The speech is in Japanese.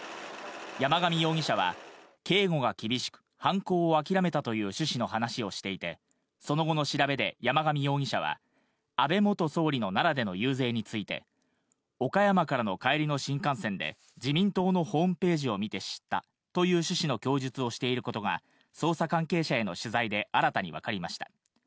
山上容疑者は、警護が厳しく犯行を諦めたという趣旨の話をしていて、その後の調べで山上容疑者は安倍元総理の奈良での遊説について、岡山からの帰りの新幹線で自民党のホームページを見て知ったという趣旨の供述をしていることが捜査関係者への取材で新たに分かりました。